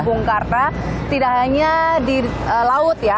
bung karno tidak hanya di laut ya